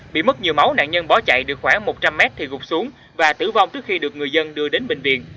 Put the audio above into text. bị mất nhiều máu nạn nhân bỏ chạy được khoảng một trăm linh mét thì gục xuống và tử vong trước khi được người dân đưa đến bệnh viện